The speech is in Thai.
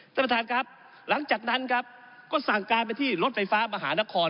ท่านประธานครับหลังจากนั้นครับก็สั่งการไปที่รถไฟฟ้ามหานคร